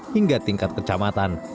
hingga tingkat kecamatan